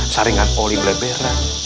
saringan poli blebera